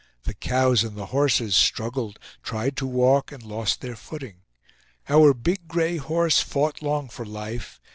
The cows and the horses struggled, tried to walk, and lost their footing. Our big gray horse fought long for life.